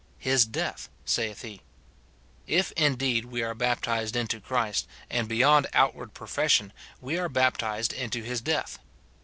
" His death," saith he — If indeed we are baptized into Christ, and beyond outward profession, we are baptized into his death.